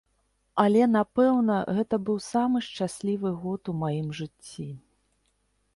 Але, напэўна, гэта быў самы шчаслівы год у маім жыцці.